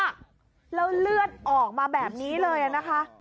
แล้วเลือดออกมาแบบนี้เลยนะคะ